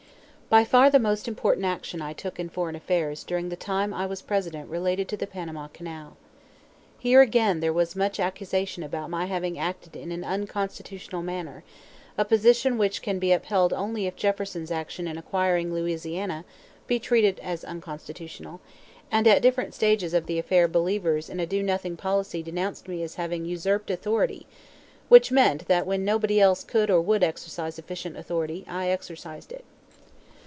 By far the most important action I took in foreign affairs during the time I was President related to the Panama Canal. Here again there was much accusation about my having acted in an "unconstitutional" manner a position which can be upheld only if Jefferson's action in acquiring Louisiana be also treated as unconstitutional; and at different stages of the affair believers in a do nothing policy denounced me as having "usurped authority" which meant, that when nobody else could or would exercise efficient authority, I exercised it.